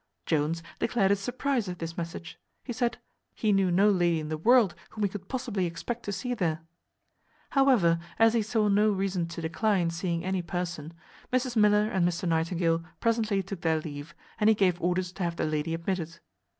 Jones declared his surprize at this message. He said, "He knew no lady in the world whom he could possibly expect to see there." However, as he saw no reason to decline seeing any person, Mrs Miller and Mr Nightingale presently took their leave, and he gave orders to have the lady admitted.